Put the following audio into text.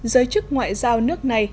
giới chức ngoại giao nước này